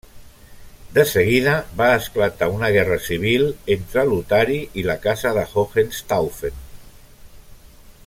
De seguida va esclatar una guerra civil entre Lotari i la casa de Hohenstaufen.